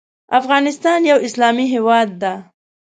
افغانستان یو اسلامې هیواد ده